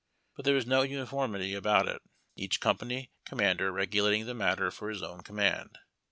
But there was no uniformity about it, each company commander regulating the matter for his own command.